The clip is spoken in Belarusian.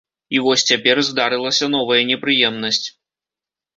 І вось цяпер здарылася новая непрыемнасць.